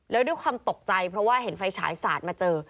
แล้วด้วยความตกใจเพราะว่าเห็นไฟฉายสาดมาเจอ